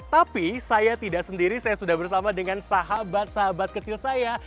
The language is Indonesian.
tapi saya tidak sendiri saya sudah bersama dengan sahabat sahabat kecil saya